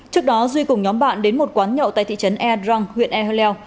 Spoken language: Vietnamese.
trước đó duy cùng nhóm bạn đến một quán nhậu tại thị trấn e drang huyện e hơ leo